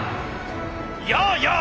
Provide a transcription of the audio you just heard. やあやあ